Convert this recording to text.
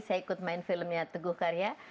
saya ikut main filmnya teguh karya